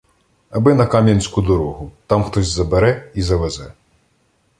Аби на кам'янську дорогу — там хтось забере і завезе.